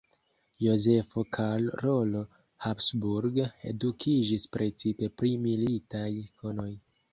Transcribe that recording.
Jozefo Karolo Habsburg edukiĝis precipe pri militaj konoj.